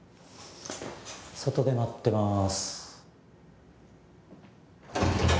外で待ってまーす